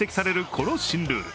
この新ルール。